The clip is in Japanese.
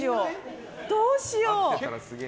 どうしよう。